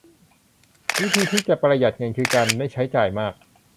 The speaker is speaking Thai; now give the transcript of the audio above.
วิธีที่จะประหยัดเงินคือการไม่ใช้จ่ายมาก